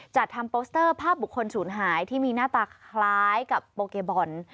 จัดทำโปสเตอร์ภาพบุคคลศูนย์หายที่มีหน้าตาคล้ายกับโปเกบอล